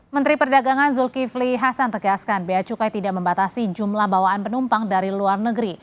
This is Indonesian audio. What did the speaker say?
menteri perdagangan zulkifli hasan tegaskan biaya cukai tidak membatasi jumlah bawaan penumpang dari luar negeri